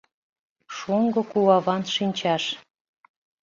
Шоҥго куваван шинчаш